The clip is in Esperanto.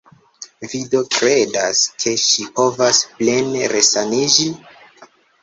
Vi do kredas, ke ŝi povos plene resaniĝi?